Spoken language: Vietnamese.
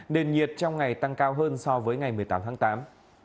nền nhiệt trong ngày tăng cao hơn so với ngày hôm nay